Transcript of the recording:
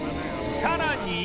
さらに